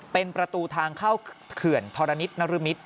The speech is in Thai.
เป็นประตูทางเข้าเขื่อนธรณิตนรมิตร